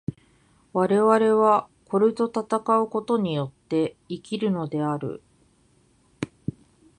我々はこれと戦うことによって生きるのである。